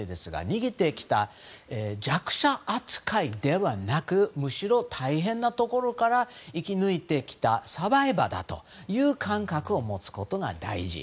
逃げてきた弱者扱いではなくむしろ大変なところから生き抜いてきたサバイバーだという感覚を持つことが大事。